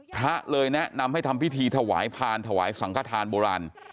พระเลยแนะนำให้ทำพิธีถวายพานถวายสังขทานโบราณ